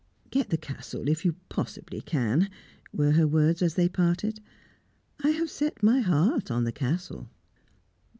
"Get the Castle if you possibly can," were her words as they parted. "I have set my heart on the Castle."